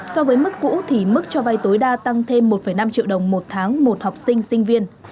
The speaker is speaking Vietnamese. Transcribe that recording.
so với mức cũ thì mức cho vay tối đa tăng thêm một năm triệu đồng một tháng một học sinh sinh viên